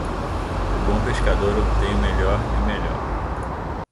O bom pescador obtém o melhor e o melhor.